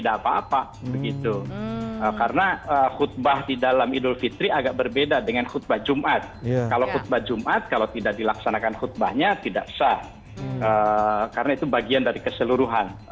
karena itu bagian dari keseluruhan